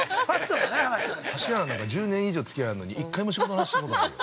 指原なんか、１０年以上つきあいあるのに一回も仕事の話、したことないよ。